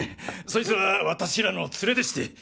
そいつは私らの連れでして。